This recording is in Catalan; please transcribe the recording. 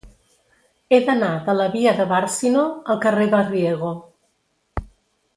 He d'anar de la via de Bàrcino al carrer de Riego.